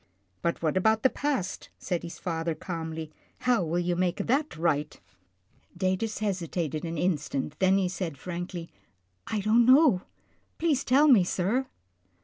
" But what about the past," said his father calmly. " How will you make that right ? 74 'TILDA JANE'S ORPHANS Datus hesitated an instant, then he said frankly, " I don't know — please tell me, sir."